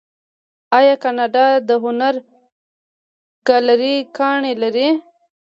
آیا کاناډا د هنر ګالري ګانې نلري؟